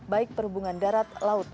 baik perhubungan darat laut